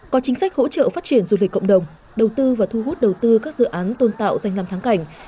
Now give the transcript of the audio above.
có chính sách hỗ trợ phát triển du lịch cộng đồng đầu tư và thu hút đầu tư các dự án tôn tạo danh làm thắng cảnh